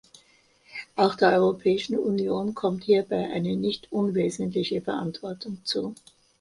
Auch der Europäischen Union kommt hierbei eine nicht unwesentliche Verantwortung zu.